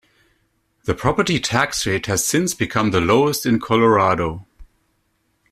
The property tax rate has since become the lowest in Colorado.